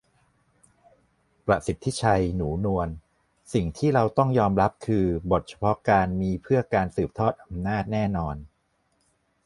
ประสิทธิชัย หนูนวล : สิ่งที่เราต้องยอมรับคือ บทเฉพาะกาลมีเพื่อการสืบทอดอำนาจแน่นอน